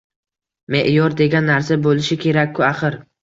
Me`yor degan narsa bo`lishi kerak-ku, axir